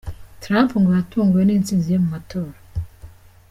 Trump ngo yatunguwe n’intsinzi ye mu matora.